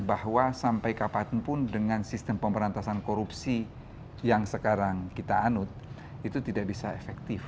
bahwa sampai kapanpun dengan sistem pemberantasan korupsi yang sekarang kita anut itu tidak bisa efektif